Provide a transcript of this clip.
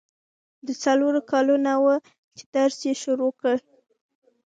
د څلورو کالو لا نه وه چي درس يې شروع کی.